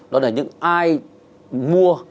đó là những ai mua